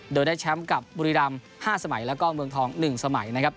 โดยได้แชมป์กับบุรีรัมณ์ห้าสมัยแล้วก็เมืองทองหนึ่งสมัยนะครับ